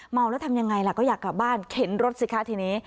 เมาแล้วทำยังไงล่ะก็อยากกลับบ้านเข็นรถสิคะทีนี้